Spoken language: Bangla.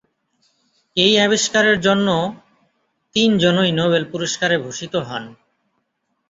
এই আবিষ্কারের জন্য তিন জনই নোবেল পুরস্কারে ভূষিত হন।